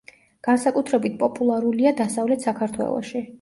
განსაკუთრებით პოპულარულია დასავლეთ საქართველოში.